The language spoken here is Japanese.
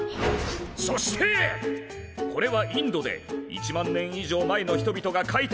そしてこれはインドで１万年以上前の人々がかいたとされる壁画。